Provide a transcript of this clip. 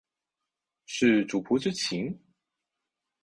是主仆之情？